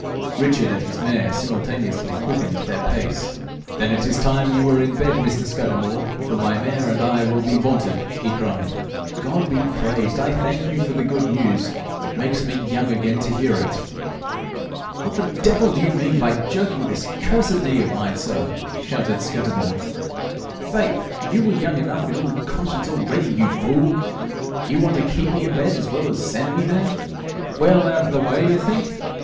Richard and his mare simultaneously quickened their pace. 'Then it is time you were in bed, Mr Scudamore, for my mare and I will be wanted,' he cried. 'God be praised! I thank you for the good news. It makes me young again to hear it.' 'What the devil do you mean by jerking this cursed knee of mine so?' shouted Scudamore. 'Faith, you were young enough in all conscience already, you fool! You want to keep me in bed, as well as send me there! Well out of the way, you think!